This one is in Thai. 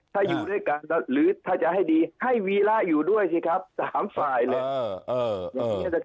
ถ้าอยู่ด้วยกันหรือถ้าจะให้ดีให้วีระอยู่ด้วยสิครับ๓ฝ่ายเลย